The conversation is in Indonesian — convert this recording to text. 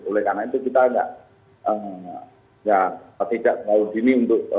oleh karena itu kita tidak ya tidak tahu ini untuk